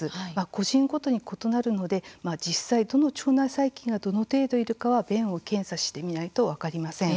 個人ごとに異なるので実際どの腸内細菌がどの程度いるかは便を検査してみないと分かりません。